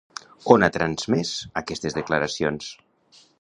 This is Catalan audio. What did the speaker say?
On ha transmès aquestes declaracions?